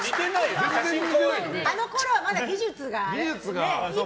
あのころは、まだ技術がね。